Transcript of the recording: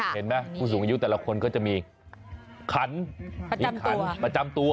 เห็นไหมผู้สูงอายุแต่ละคนก็จะมีขันประจำตัว